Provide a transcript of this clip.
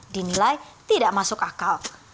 dinilai tidak masuk akal